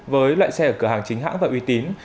với loại xe ở cửa hàng chính hãng và uy tín